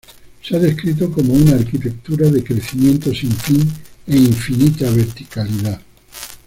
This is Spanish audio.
Se ha descrito como "una arquitectura de crecimiento sin fin e infinita verticalidad".